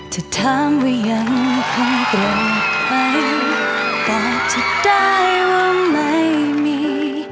ถ้าถามว่ายังคงเกิดไปแต่จะได้ว่าไม่มี